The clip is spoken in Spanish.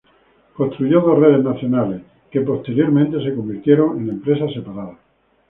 Construyó dos redes nacionales, que posteriormente se convirtieron en empresas separadas.